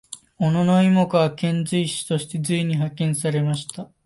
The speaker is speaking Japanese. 小野妹子は遣隋使として隋に派遣されました。